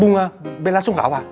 bunga bella sungkawa